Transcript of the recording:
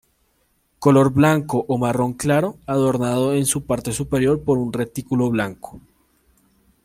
Color blanco o marrón claro, adornado en su parte superior por un retículo blanco.